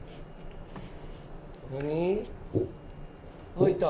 開いた！